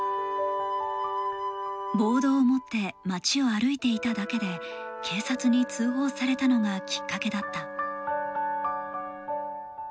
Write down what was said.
ボードを持って街を歩いていただけで警察に通報されたのがきっかけだった。